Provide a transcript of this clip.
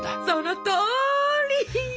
そのとおり！